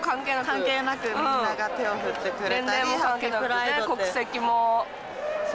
関係なく、みんなが手を振ってくれて。